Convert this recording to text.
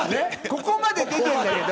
ここまで出てるんだけど。